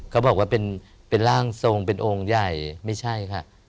เขาบอกว่าเป็นร่างทรงเป็นองค์ใหญ่ไม่ใช่ค่ะ